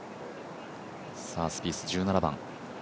スピース、１７番。